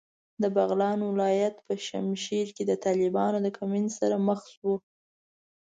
د بغلان ولایت په چشمشېر کې د طالبانو د کمین سره مخ شوو.